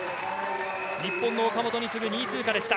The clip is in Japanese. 日本の岡本に次ぐ２位通過でした。